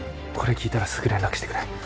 これ聞いたらすぐ連絡してくれ。